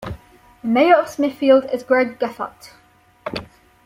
The mayor of Smithfield is Greg Gephart.